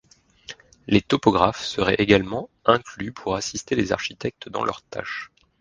Des topographes seraient également inclus pour assister les architectes dans leur tâche.